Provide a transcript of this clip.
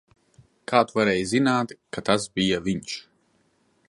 Kā tu varēji zināt, ka tas bija viņš?